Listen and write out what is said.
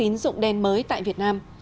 hình thức tín dụng đen mới tại việt nam